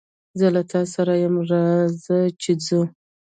زه له تاسره ېم رازه چې ځو